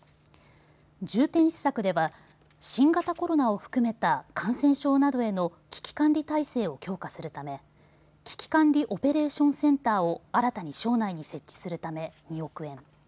重点施策では新型コロナを含めた感染症などへの危機管理体制を強化するため危機管理オペレーションセンターを新たに省内に設置するため２億円。